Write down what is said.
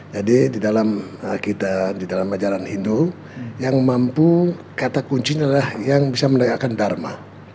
jadi di dalam kita di dalam ajaran hindu yang mampu kata kuncinya lah yang bisa menegakkan dharma